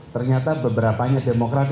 ternyata beberapanya demokrasi